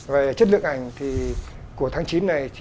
về chất lượng ảnh của tháng chín này